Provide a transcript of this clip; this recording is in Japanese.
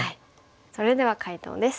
それでは解答です。